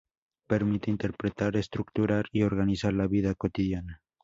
Permite interpretar, estructurar y organizar la vida cotidiana.